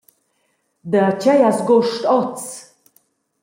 Da tgei has gust oz?